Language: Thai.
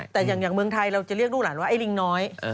แต่อย่างเมืองไทยเราจะเรียกลูกหลานว่าไอ้ลิงน้อย